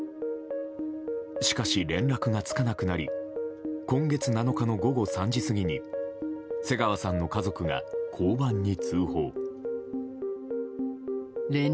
しかし、連絡がつかなくなり今月７日の午後３時過ぎに瀬川さんの家族が交番に通報。